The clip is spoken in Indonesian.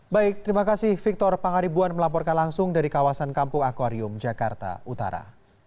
baik terima kasih victor pangaribuan melaporkan langsung dari kawasan kampung akwarium jakarta utara